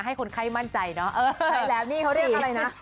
ให้คนไข้มั่นใจเนอะเออใช่แล้วนี่เขาเรียกอะไรนะ